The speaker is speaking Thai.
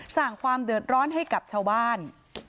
สร้างความเดือดร้อนให้กับชาวบ้าน